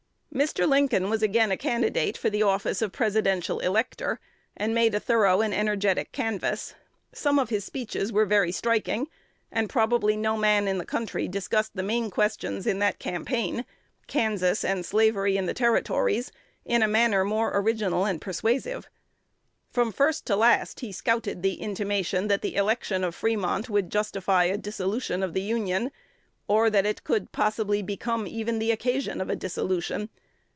Mr. Lincoln was again a candidate for the office of Presidential elector, and made a thorough and energetic canvass. Some of his speeches were very striking; and probably no man in the country discussed the main questions in that campaign Kansas, and slavery in the Territories in a manner more original and persuasive. From first to last, he scouted the intimation that the election of Fremont would justify a dissolution of the Union, or that it could possibly become even the occasion of a dissolution.